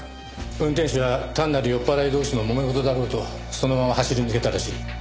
運転手は単なる酔っ払い同士のもめ事だろうとそのまま走り抜けたらしい。